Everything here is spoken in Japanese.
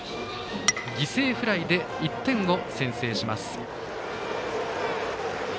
犠牲フライで１点を先制します。